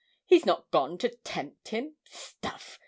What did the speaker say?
He's not gone to tempt him stuff!